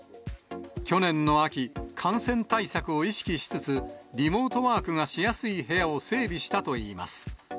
去年の秋、感染対策を意識しつつ、リモートワークがしやすい部屋を整備したといいます。